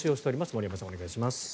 森山さん、お願いします。